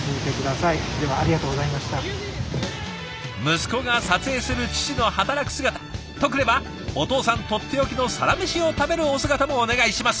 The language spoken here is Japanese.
息子が撮影する父の働く姿とくればお父さんとっておきのサラメシを食べるお姿もお願いします。